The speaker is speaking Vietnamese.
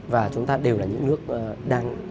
và chúng ta đều là những nước đang